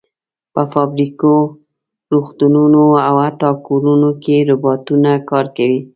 په فابریکو، روغتونونو او حتی کورونو کې روباټونه کار کوي.